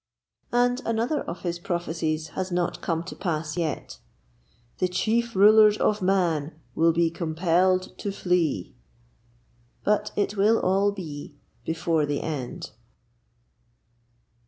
And another of his prophecies has not come to pass yet: 'The Chief Rulers of Mann will be compelled to flee.' But it will all be before the end.